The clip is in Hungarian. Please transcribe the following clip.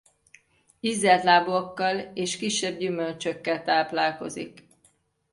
Ízeltlábúakkal és kisebb gyümölcsökkel táplálkozik.